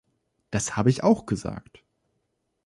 Das habe ich auch gesagt.